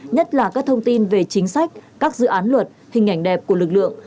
nhất là các thông tin về chính sách các dự án luật hình ảnh đẹp của lực lượng